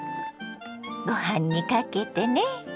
ご飯にかけてね。